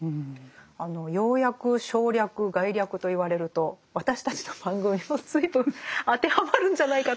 「要約省略概略」と言われると私たちの番組も随分当てはまるんじゃないかと。